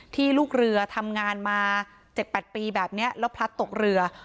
ลูกเรือทำงานมา๗๘ปีแบบนี้แล้วพลัดตกเรือ